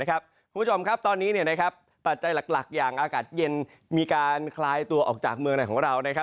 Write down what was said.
คุณผู้ชมครับตอนนี้ปัจจัยหลักอย่างอากาศเย็นมีการคลายตัวออกจากเมืองไหนของเรา